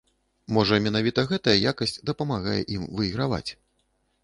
Можа, менавіта гэтая якасць дапамагае ім выйграваць?